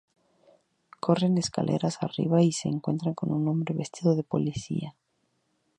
Corren escaleras arriba y se encuentran con un hombre vestido de policía antidisturbios.